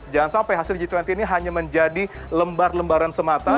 jangan sampai hasil g dua puluh ini hanya menjadi lembar lembaran semata